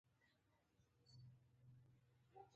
ليک ولې نه رالېږې؟